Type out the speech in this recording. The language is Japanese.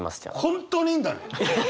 本当にいいんだね？